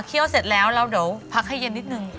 เครี้ยวเสร็จแล้วเราเดี๋ยวพักให้เย็นนิดหนึ่ง